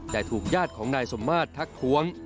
แต่ถูกญาติของนายสมมาตรทักท้วง